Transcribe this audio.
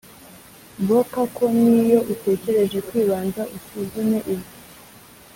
Boka ko n iyo utekereje kwibanza usuzume ibyo